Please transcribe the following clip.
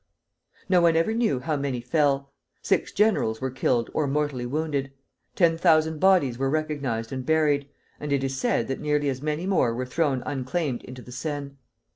No one ever knew how many fell. Six generals were killed or mortally wounded. Ten thousand bodies were recognized and buried, and it is said that nearly as many more were thrown unclaimed into the Seine.